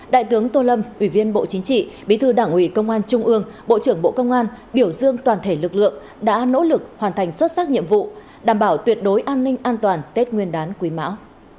đại tướng tô lâm ủy viên bộ chính trị bí thư đảng ủy công an trung ương bộ trưởng bộ công an biểu dương toàn thể lực lượng đã nỗ lực hoàn thành xuất sắc nhiệm vụ đảm bảo tuyệt đối an ninh an toàn tết nguyên đán quý mão